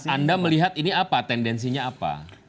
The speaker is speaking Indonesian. anda melihat ini apa tendensinya apa